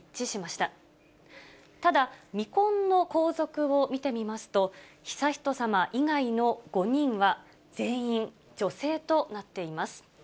ただ、未婚の皇族を見てみますと、悠仁さま以外の５人は全員女性となっています。